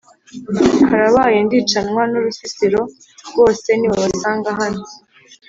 karabaye ndicanwa nurusisiro rwose nibabasanga hano